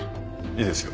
いいですよ。